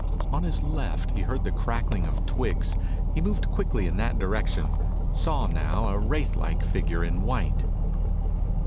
On his left he heard the crackling of twigs. He moved quickly in that direction, saw now a wraithlike figure in white.